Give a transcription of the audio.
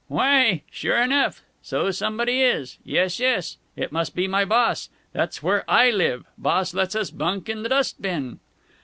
"Why! Sure enough! So somebody is! Yes, yes! It must be my boss. That's where I live. Boss lets us bunk in the dust bin."